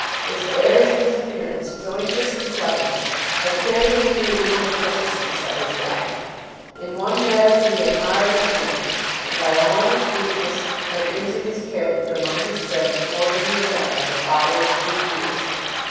His airs and his appearance, joined with some cleverness, had carried him through even the viciousness of his life. In one matter he had marred his name, and by a moment's weakness had injured his character among his friends more than he had done by the folly of three years.